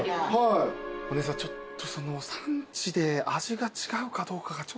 お姉さんちょっと。